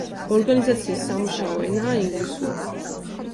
ორგანიზაციის სამუშაო ენაა ინგლისური.